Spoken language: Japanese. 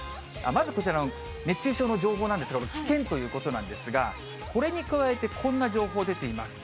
まずこちらの熱中症の情報なんですけれども、危険ということなんですが、これに加えて、こんな情報出ています。